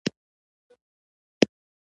د غذایي موادو توازن د روغتیا لپاره اړین دی.